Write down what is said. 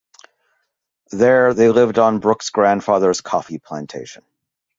There, they lived on Brooks' grandfather's coffee plantation.